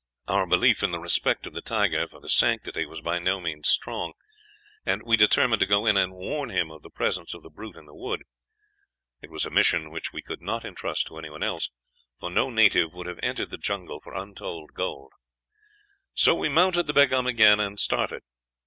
Our belief in the respect of the tiger for sanctity was by no means strong, and we determined to go in and warn him of the presence of the brute in the wood. It was a mission which we could not intrust to anyone else, for no native would have entered the jungle for untold gold; so we mounted the Begaum again, and started.